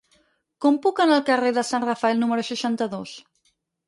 Com puc anar al carrer de Sant Rafael número seixanta-dos?